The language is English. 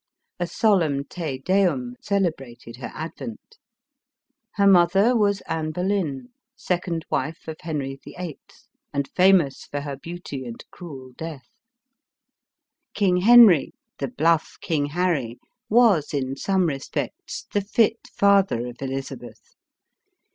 A solemn Te Deum celebrated her. ad vent. Her mother was Anne Boleyn, second wife of Henry VIII, and famous for her beauty and cruel death. King Henry —'' the bluff King Harry" — was, in some roped*", the fit father of Elizabeth.